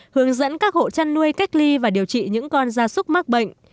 hướng dẫn các hộ chăn nuôi cách ly và điều trị những con da súc mắc bệnh